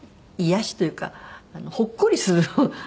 癒やしというかほっこりする。